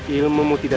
ibu bunga disini nak